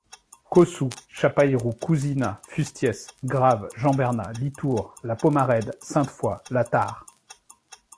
Caussou, Chapaïrou, Couzinat, Fustiès, Grave, Jeanbernat, Litoure, la Pomarède, Sainte-Foi, la Tarre.